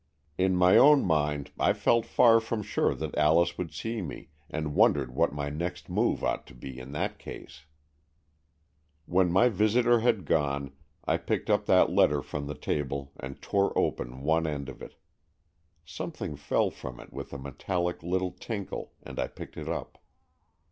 In my own mind I felt far from sure that Alice would see me, and wondered what my next move ought to be in that case. When my visitor had gone, I picked up that letter from the table and tore open one end of it. Something fell from it with a metallic little tinkle, and I picked it up.